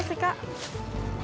jual itu udah mau jalan